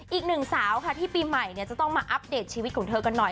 อีกหนึ่งสาวค่ะที่ปีใหม่จะต้องมาอัปเดตชีวิตของเธอกันหน่อย